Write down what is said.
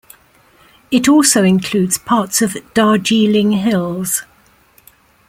It also includes parts of Darjeeling Hills.